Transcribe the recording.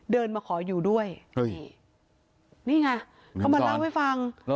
เดินมาขออยู่ด้วยนี่ไงเขามาเล่าให้ฟัง